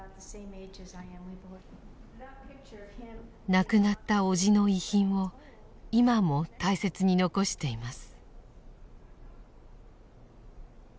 亡くなった伯父の遺品を今も大切に残しています。